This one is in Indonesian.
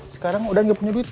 sekarang udah gak punya duit